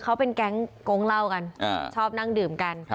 เขาเป็นแก๊งเหล้ากันชอบนั่งดื่มกัน